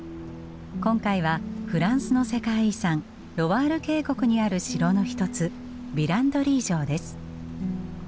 今回はフランスの世界遺産ロワール渓谷にある城の一つヴィランドリー城です。